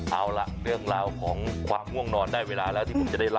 เอาล่ะเรื่องราวของความง่วงนอนได้เวลาแล้วที่ผมจะได้เล่า